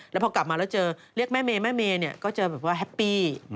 แล้วพอกลับมาแล้วเจอเรียกแม่เมย์แม่เมย์ก็เจอแบบว่าแฮปปี้